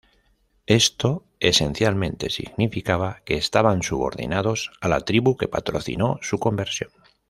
Esto esencialmente significaba que estaban subordinados a la tribu que patrocinó su conversión.